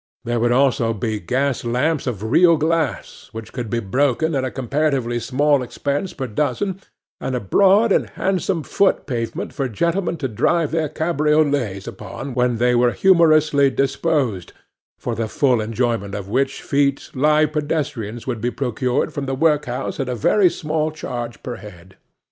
There would also be gas lamps of real glass, which could be broken at a comparatively small expense per dozen, and a broad and handsome foot pavement for gentlemen to drive their cabriolets upon when they were humorously disposed—for the full enjoyment of which feat live pedestrians would be procured from the workhouse at a very small charge per head.